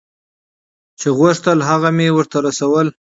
چې غوښتل هغه مې ورته رسول.